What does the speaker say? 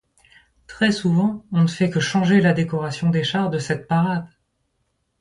Très souvent on ne fait que changer la décoration des chars de cette parade.